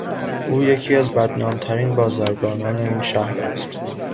او یکی از بدنامترین بازرگانان این شهر است.